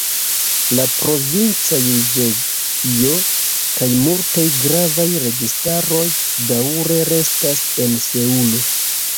La provinca juĝejo kaj multaj gravaj registaroj daŭre restas en Seulo.